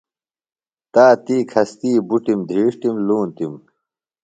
تا تی کھستی بٹُم دھریݜتِم۔ لُونتم ۔